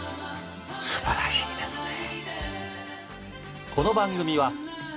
素晴らしいですねえ。